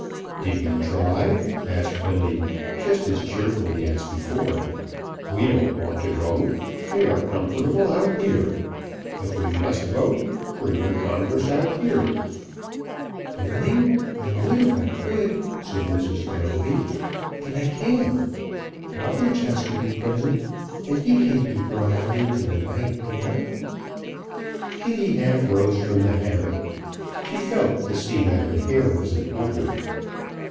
"Did you try?" asked Billy, just as cheerfully as before. "We don't want to vote. We are comfortable out here. If we must vote, bring your congress out here." "Billy, I would if I could," said Mrs. Fenelby, "but I can't! Bobberts has to be present, and he can't be brought out into the night air." Kitty half rose from the hammock. She felt to see that her hair was in order.